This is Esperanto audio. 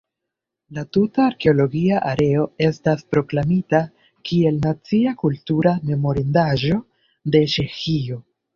La tuta arkeologia areo estas proklamita kiel Nacia kultura memorindaĵo de Ĉeĥio.